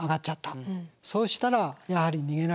そうしたらやはり逃げなきゃいけない。